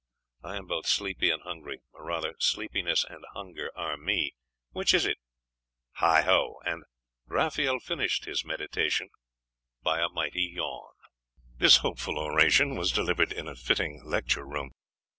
I am both sleepy and hungry.... or rather, sleepiness and hunger are me. Which is it! Heigh ho....' and Raphael finished his meditation by a mighty yawn. This hopeful oration was delivered in a fitting lecture room.